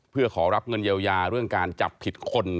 เพื่อขอรับเงินเยียวยาเรื่องการจับผิดคน